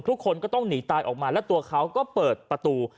ทุกคนก็ต้องหนีตายออกมาแล้วตัวเขาก็เปิดประตู